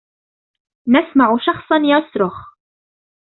نسمع شخصًا يصرخ.